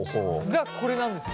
がこれなんですか？